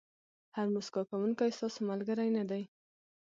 هر موسکا کوونکی ستاسو ملګری نه دی.